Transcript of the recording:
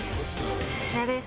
こちらです。